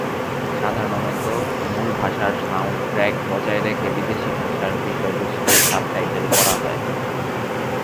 সাধারণত, মূল ভাষার সাউন্ডট্র্যাক বজায় রেখে বিদেশি ভাষার বিষয়বস্তু সাবটাইটেল করা হয়।